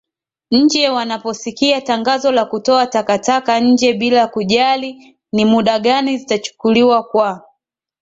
nje wanaposikia tangazo la kutoa takataka nje bila kujali ni muda gani zitachukuliwa kwa